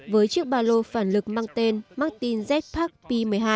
với chiếc bà lô phản lực mang tên martin z pack p một mươi hai